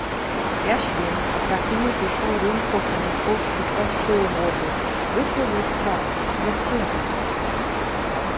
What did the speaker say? Яшвин, опрокинув еще рюмку коньяку в шипящую воду, выпил и встал, застегиваясь.